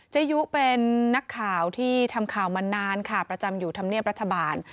ยุเป็นนักข่าวที่ทำข่าวมานานค่ะประจำอยู่ธรรมเนียบรัฐบาล